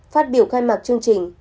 phát biểu khai mạc chương trình